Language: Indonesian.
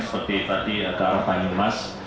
seperti tadi agar paling emas